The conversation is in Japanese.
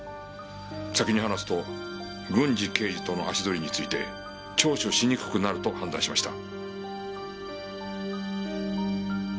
先に話すと郡侍刑事との足取りについて聴取しにくくなると判断しました。